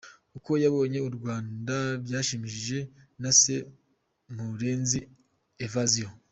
Uko yabonye u Rwanda byashimishije na se Murenzi Evasio.